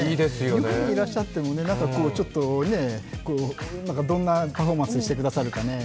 日本にいらっしゃっても、どんなパフォーマンスをしてくださるか。